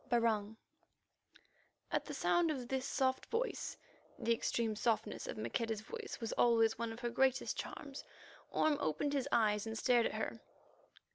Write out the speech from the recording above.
BARUNG At the sound of this soft voice (the extreme softness of Maqueda's voice was always one of her greatest charms), Orme opened his eyes and stared at her.